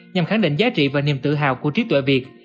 nhằm khẳng định giá trị và niềm tự hào của trí tuệ việt